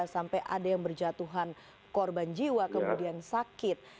sampai ada yang berjatuhan korban jiwa kemudian sakit